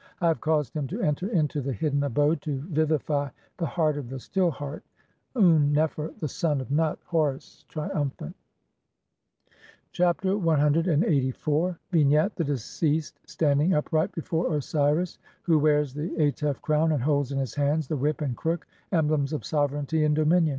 I have caused him to enter into the hidden "abode to vivify the heart of the Still Heart, Un nefer, the son "of Nut, Horus, triumphant." Chapter CLXXXIV. [From the Papyrus of Uaa (see Naville, op. a't., Bd. I. Bl. 210).] Vignette : The deceased standing upright before Osiris, who wears the Atef crown, and holds in his hands the whip and crook, emblems of sovereignty and dominion.